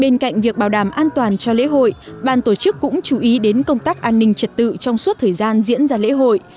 bên cạnh việc bảo đảm an toàn cho lễ hội ban tổ chức cũng chú ý đến công tác an ninh trật tự trong suốt thời gian diễn ra lễ hội